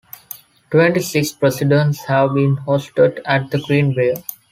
Twenty-six presidents have been hosted at The Greenbrier.